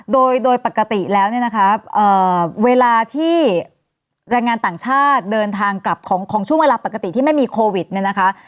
โดยปกติแล้วเนี่ยนะคะเวลาที่แรงงานต่างชาติเดินทางกลับของช่วงเวลาปกติที่ไม่มีโควิดเนี่ยนะคะ